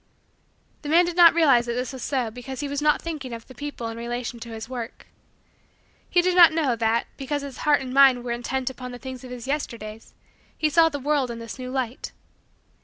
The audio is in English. The man did not realize that this was so because he was not thinking of the people in their relation to his work. He did not know, that, because his heart and mind were intent upon the things of his Yesterdays, he saw the world in this new light.